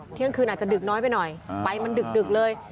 เที่ยงคืนอาจจะดึกน้อยไปหน่อยไปมันดึกเลย